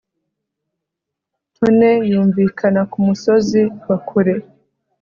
Tune yumvikana kumusozi wa kure